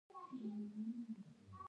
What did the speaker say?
باران د للمي غنمو ژوند دی.